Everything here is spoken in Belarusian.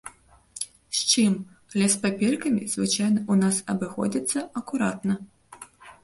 З чым, але з паперкамі звычайна ў нас абыходзяцца акуратна.